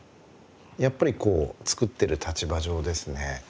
やっぱりこう造ってる立場上ですね